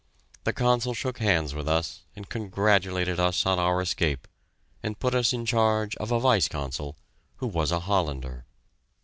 The Consul shook hands with us and congratulated us on our escape, and put us in charge of a Vice Consul, who was a Hollander.